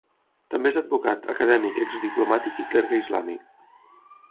També és advocat, acadèmic, exdiplomàtic i clergue islàmic.